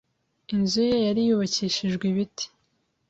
Inzu ye yari yubakishijwe ibiti.